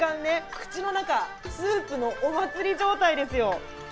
口の中スープのお祭り状態ですよ。